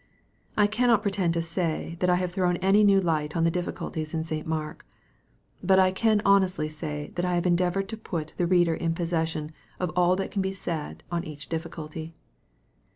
I cannot pretend to say that I have thrown any new light on the difficulties in St. Mark. But I can honestly say that I have endeavored to put the reader in possession of all that can be said on each difficulty.